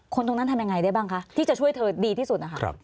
คนตรงนั้นทำยังไงได้บ้างคะที่จะช่วยเธอดีที่สุดนะคะ